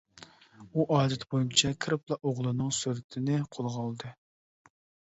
ئۇ ئادىتى بويىچە كىرىپلا ئوغلىنىڭ سۈرىتىنى قولىغا ئالدى.